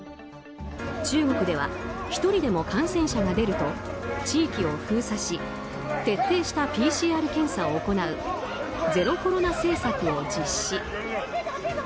中国では１人でも感染者が出ると地域を封鎖し徹底したＰＣＲ検査を行うゼロコロナ政策を実施。